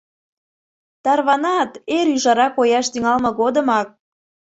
Тарванат эр ӱжара кояш тӱҥалме годымак.